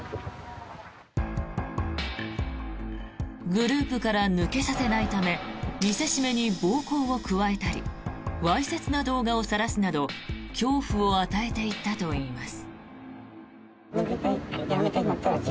グループから抜けさせないため見せしめに暴行を加えたりわいせつな動画をさらすなど恐怖を与えていたといいます。